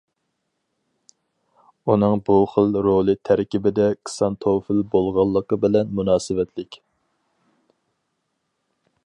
ئۇنىڭ بۇ خىل رولى تەركىبىدە كىسانتوفىل بولغانلىقى بىلەن مۇناسىۋەتلىك.